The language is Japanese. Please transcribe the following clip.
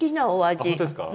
本当ですか？